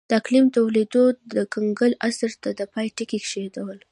د اقلیم تودېدو د کنګل عصر ته د پای ټکی کېښود